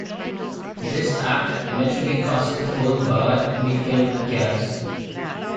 This act eventually causes the whole bar to be filled with gas.